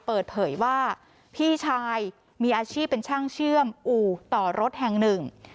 เปิดเผยว่าพี่ชายมีอาชีพเป็นช่างเชื่อมอู่ต่อรถแห่งหนึ่ง